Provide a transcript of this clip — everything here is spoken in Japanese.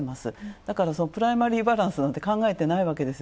だからプライマリーバランスなんて考えてないわけですよ